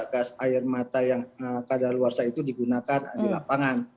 gas air mata yang keadaan luar sah itu digunakan di lapangan